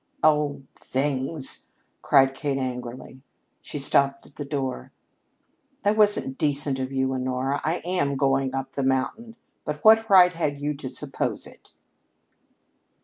"Oh, things!" cried Kate angrily. She stopped at the doorway. "That wasn't decent of you, Honora. I am going up the mountain but what right had you to suppose it?"